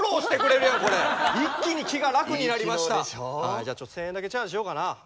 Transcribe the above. じゃあ１，０００円だけチャージしようかな。